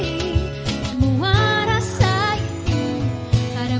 kau lukis sebuah kisah yang nyata